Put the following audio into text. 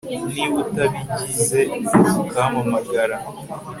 niba utabigize ukampamagara